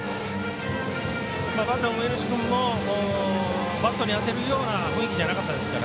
バッターの植西君もバットに当てるような雰囲気じゃなかったですから。